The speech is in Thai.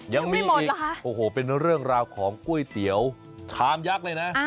ยังมีอีกโอ้โหเป็นเรื่องราวของก๋วยเตี๋ยวชามยักษ์เลยนะ